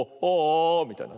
みたいな。